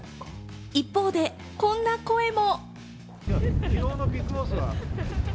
一方でこんな声も。